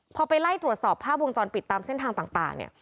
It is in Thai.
พอไปไล่ตรวจสอบภาพวงจรปิดตามเส้นทางต่างเนี่ย